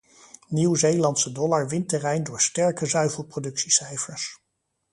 Nieuw-Zeelandse dollar wint terrein door sterke zuivelproductiecijfers.